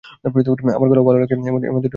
আমার গলাও ভাল লাগে এমন দুটো অর্বাচীন আছে।